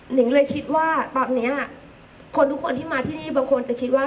งเลยคิดว่าตอนนี้คนทุกคนที่มาที่นี่บางคนจะคิดว่า